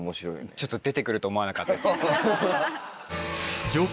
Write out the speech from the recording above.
ちょっと出て来ると思わなかったです。